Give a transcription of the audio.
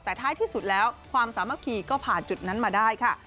แต่ท้ายที่สุดแล้วความสามัคคีก็ผ่านจุดนั้นมาได้ค่ะ